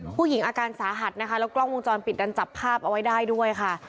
อาการสาหัสนะคะแล้วกล้องวงจรปิดดันจับภาพเอาไว้ได้ด้วยค่ะ